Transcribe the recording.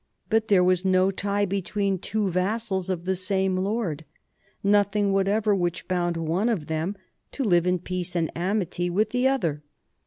But there was no tie be tween two vassals of the same lord, nothing whatever which bound one of them to live in peace and amity with the other.